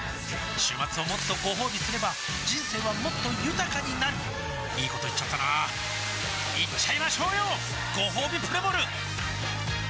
週末をもっとごほうびすれば人生はもっと豊かになるいいこと言っちゃったなーいっちゃいましょうよごほうびプレモル